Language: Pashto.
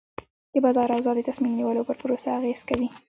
د بازار اوضاع د تصمیم نیولو پر پروسه اغېز کوي.